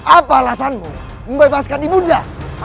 apa alasanmu membebaskan dibunda